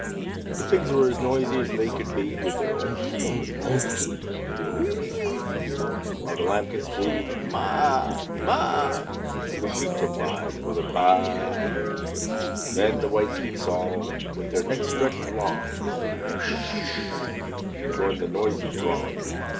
And the pigs were as noisy as they could be With their "Umph, umph, umph!" and their "Wee, wee, wee!" While the lambkins bleated "Ma a! Ma a!" And the sheep replied with a "Ba a a!" Then the white geese all, with their necks stretched long And their "S s s!" joined the noisy throng.